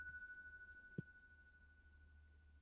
Momo tuyqis sergaklandi.